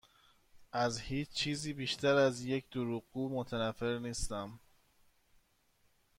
از هیچ چیزی بیشتر از یک دروغگو متنفر نیستم.